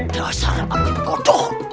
dasar aku bodoh